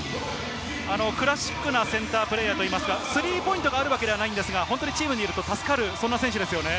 クラシックなセンタープレーヤーといいますか、スリーポイントがあるわけではないんですが、チームにいると助かる、そんな選手ですね。